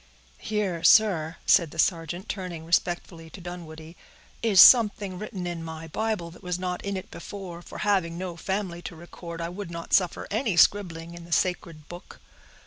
"Here, sir," said the sergeant, turning respectfully to Dunwoodie, "is something written in my Bible that was not in it before; for having no family to record, I would not suffer any scribbling in the sacred book."